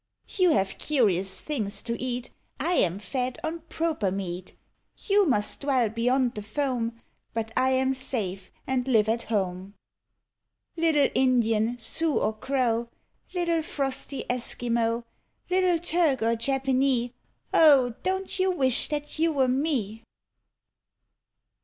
You have curious things to eat, 1 am fed on projier meat ; You must dwell beyond the foam, But I am safe and live at home. Little Indian, Sioux or Crow, Little frostv Eskimo, Little Turk or Japanee, O! don't you wish that you were me?